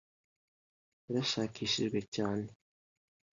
yarashakishijwe cyane